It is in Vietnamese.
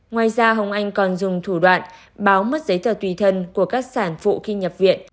ngoài ra hồng anh còn dùng thủ đoạn báo mất giấy tờ tùy thân của các sản phụ khi nhập viện